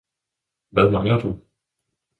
Hvad mangler du?